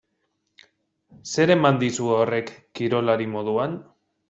Zer eman dizu horrek kirolari moduan?